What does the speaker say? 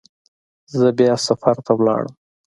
زه بیا سفر ته لاړم.